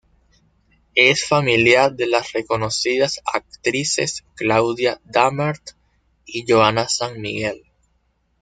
Es familiar de las reconocidas actrices Claudia Dammert y Johanna San Miguel.